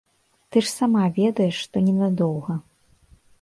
Ты ж сама ведаеш, што ненадоўга.